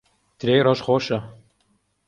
ترێی ڕەش خۆشە.